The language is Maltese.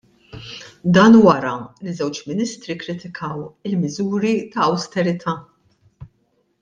Dan wara li żewġ ministri kkritikaw l-miżuri ta' awsterita'.